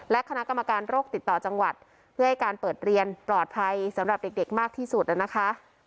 และคณะกรรมการโรคติดต่อจังหวัดเพื่อให้การเปิดเรียนปลอดภัยสำหรับเด็กมากที่สุดนะคะ